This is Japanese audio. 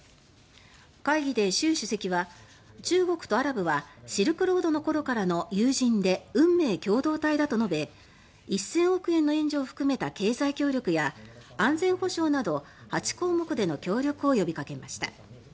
会議で習主席は、中国とアラブはシルクロードの頃からの友人で運命共同体だと述べ１０００億円の援助を含めた経済協力や安全保障など８項目での協力を呼びかけました。